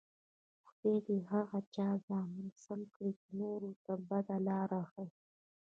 خدای دې د هغه چا زامن سم کړي، چې نورو ته بده لار ښیي.